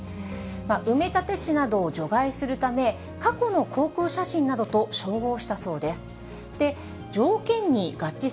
埋め立て地などを除外するため、過去の航空写真などと照合したそうです。